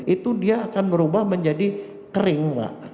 itu dia akan berubah menjadi kering pak